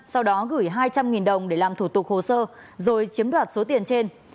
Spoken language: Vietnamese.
sau đó gửi hai trăm linh đồng để làm thủ tục hồ sơ rồi chiếm đoạt số tiền trên